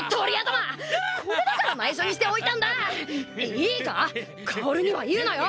いいか薫には言うなよ！